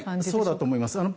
そうだと思います。